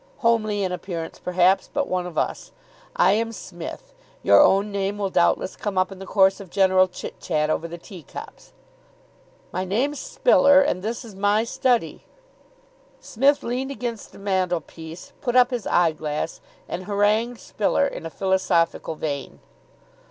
Homely in appearance, perhaps, but one of us. I am Psmith. Your own name will doubtless come up in the course of general chit chat over the tea cups." "My name's Spiller, and this is my study." Psmith leaned against the mantelpiece, put up his eyeglass, and harangued Spiller in a philosophical vein.